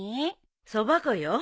そば粉よ。